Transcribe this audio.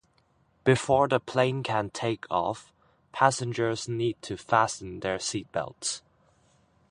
Before the plane can take off, passengers need to fasten their seatbelts.